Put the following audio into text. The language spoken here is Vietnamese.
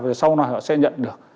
và sau đó họ sẽ nhận được